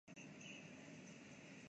میں خود social media میں نہیں ہوں۔